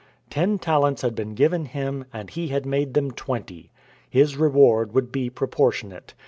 Ten talents had been given him, and he had made them twenty. His reward would be proportionate.